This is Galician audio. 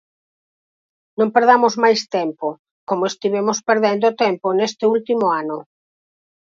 Non perdamos máis tempo, como estivemos perdendo o tempo neste último ano.